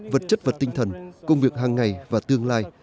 vật chất và tinh thần công việc hàng ngày và tương lai